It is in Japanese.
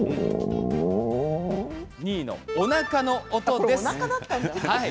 ２位のおなかの音です。